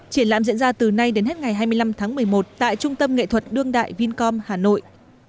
triển lãm diễn ra từ nay đến hết ngày hai mươi năm tháng một mươi một tại trung tâm nghệ thuật đương đại vincom hà nội